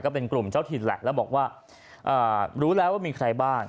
เป็นกลุ่มเจ้าถิ่นแหละแล้วบอกว่ารู้แล้วว่ามีใครบ้าง